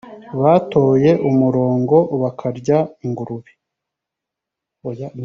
batoye umurongo bakarya ingurube.